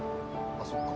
あっそっか。